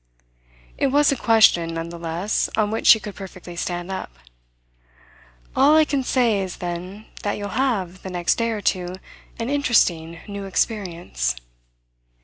It was a question, none the less, on which she could perfectly stand up. "All I can say is then that you'll have, the next day or two, an interesting new experience."